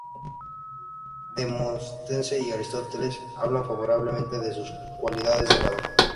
Demóstenes y Aristóteles hablan favorablemente de sus cualidades de orador.